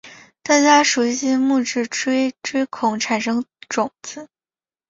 大家熟悉木质锥锥孔产生种子。